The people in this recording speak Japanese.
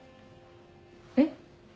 えっ？